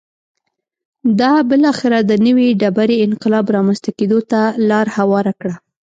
دا بالاخره د نوې ډبرې انقلاب رامنځته کېدو ته لار هواره کړه